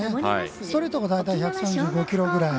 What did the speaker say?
ストレートも大体１３５キロぐらい。